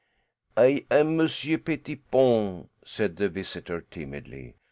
"I am Monsieur Pettipon," said the visitor timidly.